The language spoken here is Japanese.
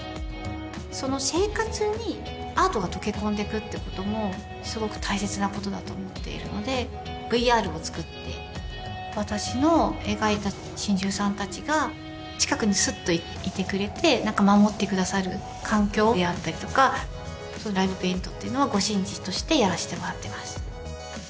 その生活にアートが溶け込んでくっていうこともすごく大切なことだと思っているのでＶＲを作って私の描いた神獣さん達が近くにすっといてくれてなんか守ってくださる環境であったりとかライブペイントっていうのはご神事としてやらせてもらっています